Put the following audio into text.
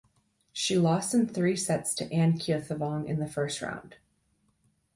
She lost in three sets to Anne Keothavong in the first round.